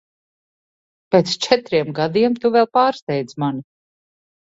Pēc četriem gadiem tu vēl pārsteidz mani.